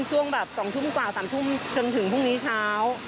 ช่วงแบบ๒ทุ่มกว่า๓ทุ่มจนถึงพรุ่งนี้เช้า